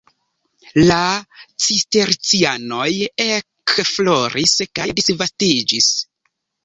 La Cistercianoj ekfloris kaj disvastiĝis.